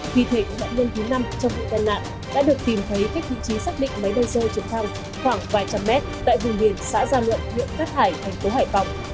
phi thể nạn nhân thứ năm trong vụ nạn đã được tìm thấy cách thí trí xác định máy bay rơi trực thăng khoảng vài trăm mét tại vùng biển xã gia luận huyện cát hải thành phố hải phòng